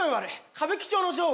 「歌舞伎町の女王」